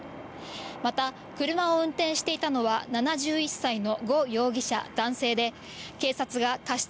また車を運転していたのは７１歳の呉容疑者、男性で、警察が過失